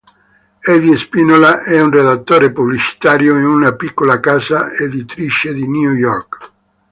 Eddie Spinola è un redattore pubblicitario in una piccola casa editrice di New York.